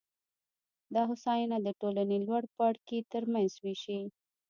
دا هوساینه د ټولنې لوړ پاړکي ترمنځ وېشي